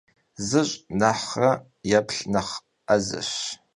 Zış' nexhre yêplh nexh 'ezeş.